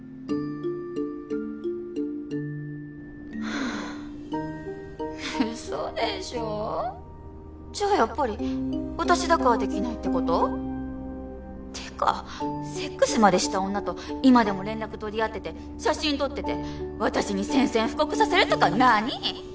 はあウソでしょじゃあやっぱり私だからできないってこと？ってかセックスまでした女と今でも連絡取り合ってて写真撮ってて私に宣戦布告させるとか何？